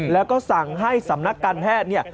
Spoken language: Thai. แล้วก็สั่งให้สำนักการแพทย์เนี่ย